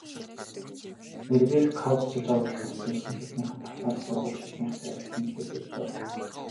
Эргээд кодчилж орчуулахад зорьсон хэлнийх нь талаар сурвалж хэлнийхтэй адил мэдлэг хэрэгтэй болно.